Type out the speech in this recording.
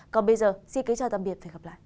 còn bây giờ xin kính chào tạm biệt